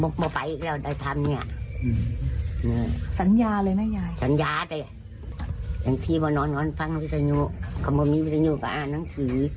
ในกระดูกม๋วยน้ำแรงอยู่คมสุข